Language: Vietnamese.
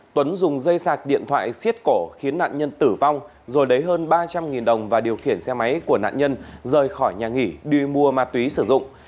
tuấn dùng dây sạc điện thoại xiết cổ khiến nạn nhân tử vong rồi lấy hơn ba trăm linh đồng và điều khiển xe máy của nạn nhân rời khỏi nhà nghỉ đi mua ma túy sử dụng